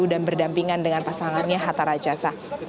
dan berdampingan dengan pasangannya hatta rajasa